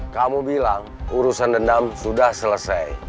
kamu bilang urusan dendam sudah selesai